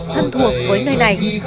thân thuộc với nơi này